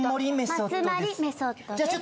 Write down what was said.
まつまりメソッドです。